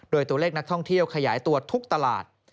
โดยตัวเลขนักท่องเที่ยวขยายตัวทุกตลาด